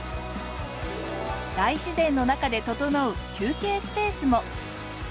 大自然の中でととのう休憩スペースも。